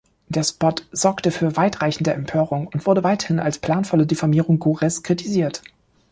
Der Spot sorgte für weitreichende Empörung und wurde weithin als planvolle Diffamierung Gores kritisiert.